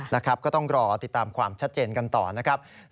นะครับก็ต้องรอติดตามความชัดเจนกันต่อนะครับ